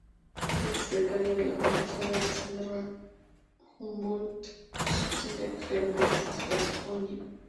Ex becario de la Fundación Alexander von Humboldt-Stiftung de Germanística, Univ.